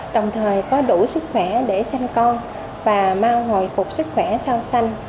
đồng thời có đủ sức khỏe để sanh con và mau hồi phục sức khỏe sau sanh